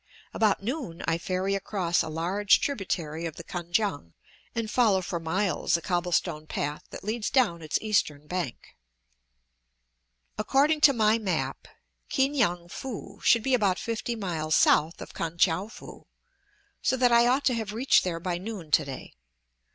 About noon I ferry across a large tributary of the Kan kiang, and follow for miles a cobble stone path that leads down its eastern bank. According to my map, Ki ngan foo should be about fifty miles south of Kan tchou foo, so that I ought to have reached there by noon to day.